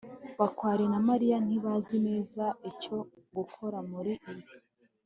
bakware na mariya ntibazi neza icyo gukora muri ibi